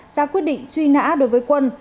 ra quyết định truy nã đối với quân